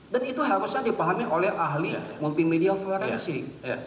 dan itu harusnya dipahami oleh ahli multimedia forensic